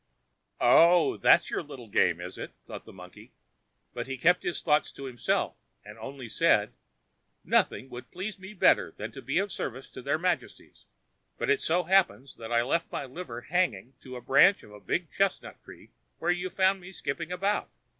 "Oh! that's your little game, is it?" thought the monkey. But he kept his thoughts to himself, and only said: "Nothing could please me better than to be of service to their Majesties, but it so happens that I left my liver hanging to a branch of that big chestnut tree where you found me skipping about.